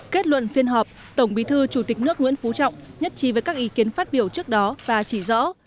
kết luận phiên họp tổng bí thư chủ tịch nước nguyễn phú trọng nhất trí với các ý kiến phát biểu trước đó và chỉ rõ